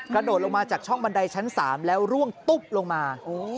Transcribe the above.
กระโดดลงมาจากช่องบันไดชั้น๓แล้วร่วงตุ๊บลงมา